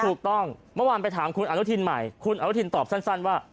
เมื่อวานไปถามคุณอนุทินใหม่คุณอนุทินตอบสั้นว่า